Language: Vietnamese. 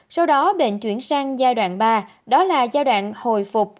sau đó bệnh chuyển sang giai đoạn ba đó là giai đoạn hồi phục